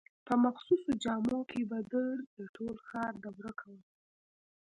په مخصوصو جامو کې به د ټول ښار دوره کوله.